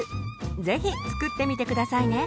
是非作ってみて下さいね。